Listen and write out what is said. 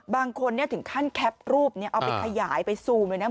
บางคนถึงขั้นแคปรูปเอาไปขยายไปซูมเลยนะ